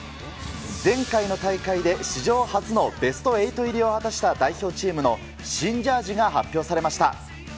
前回の大会で史上初のベスト８入りを果たした代表チームの新ジャージが発表されました。